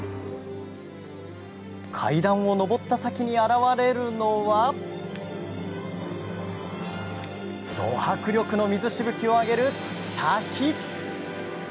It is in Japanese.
階段を上った先に現れるのはど迫力の水しぶきを上げる滝。